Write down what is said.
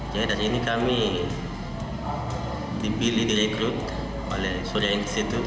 jadi dari ini kami dipilih direkrut oleh surya institute